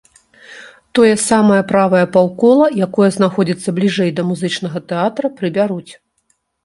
Тое самае правае паўкола, якое знаходзіцца бліжэй да музычнага тэатра, прыбяруць.